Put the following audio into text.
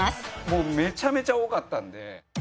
もうめちゃめちゃ多かったんで。